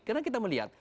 karena kita melihat